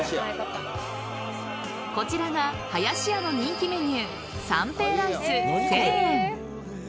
こちらがはやしやの人気メニュー三平ライス１０００円。